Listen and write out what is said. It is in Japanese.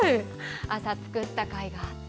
朝作ったかいがあった。